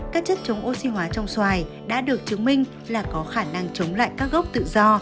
các chất chống oxy hóa trong xoài đã được chứng minh là có khả năng chống lại các gốc tự do